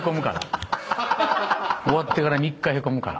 終わってから３日ヘコむから。